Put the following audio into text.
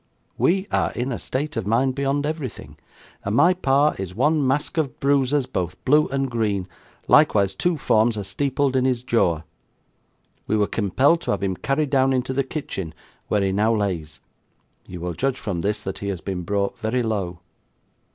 'We are in a state of mind beyond everything, and my pa is one mask of brooses both blue and green likewise two forms are steepled in his Goar. We were kimpelled to have him carried down into the kitchen where he now lays. You will judge from this that he has been brought very low.